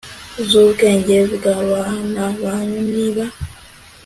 zubwenge bwabana banyu niba